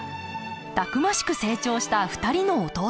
たくましく成長した２人の弟。